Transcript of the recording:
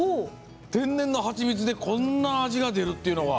天然のハチミツでこんな味が出るというのが。